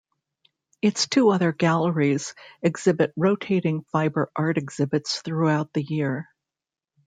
Its two other galleries exhibit rotating fiber art exhibits throughout the year.